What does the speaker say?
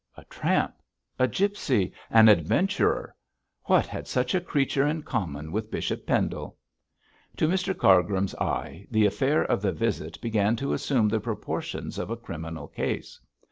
A tramp, a gipsy, an adventurer what had such a creature in common with Bishop Pendle? To Mr Cargrim's eye the affair of the visit began to assume the proportions of a criminal case.